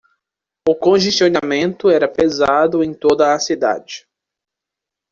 o congestionamento era pesado em toda a cidade.